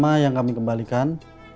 yang pertama yang kami kembalikan